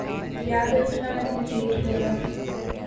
یاد رکھنا میں تمہیں دیکھ لوں گا